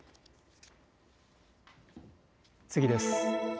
次です。